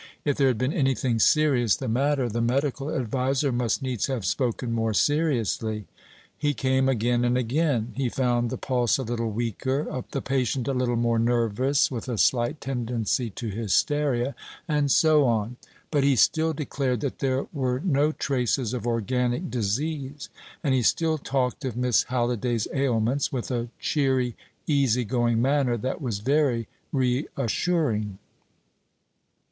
If there had been anything serious the matter, the medical adviser must needs have spoken more seriously. He came again and again. He found the pulse a little weaker, the patient a little more nervous, with a slight tendency to hysteria, and so on; but he still declared that there were no traces of organic disease, and he still talked of Miss Halliday's ailments with a cheery easy going manner that was very reassuring.